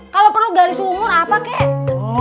kalau perlu garis umur apa kek